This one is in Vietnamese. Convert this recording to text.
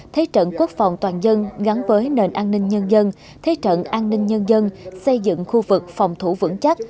thế trận quốc phòng toàn dân gắn với nền an ninh nhân dân thế trận an ninh nhân dân xây dựng khu vực phòng thủ vững chắc